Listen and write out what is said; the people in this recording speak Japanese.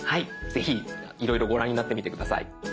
ぜひいろいろご覧になってみて下さい。